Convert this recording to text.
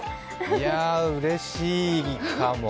いや、うれしいかも。